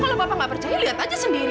kalau bapak nggak percaya lihat aja sendiri